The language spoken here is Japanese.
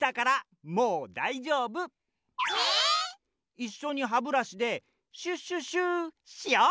いっしょにハブラシでシュシュシュしよう！